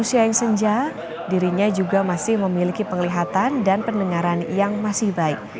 usia yang senja dirinya juga masih memiliki penglihatan dan pendengaran yang masih baik